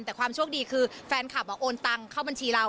แต่ความโชคดีคือแฟนคลับโอนตังเข้าบัญชีเรา